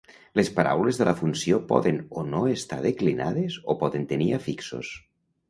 Les paraules de la funció poden o no estar declinades o poden tenir afixos.